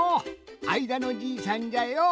あいだのじいさんじゃよ。